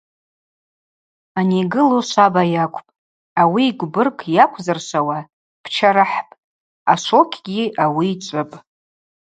Ани йгылу шваба йакӏвпӏ, ауи йгвбырг йаквзыршвауа дпчарыхӏпӏ, ашвокьгьи ауи йчӏвыпӏ.